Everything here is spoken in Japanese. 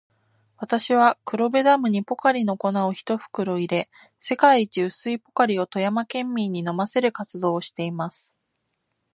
私は、黒部ダムにポカリの粉を一袋入れ、世界一薄いポカリを富山県民に飲ませる活動をしています。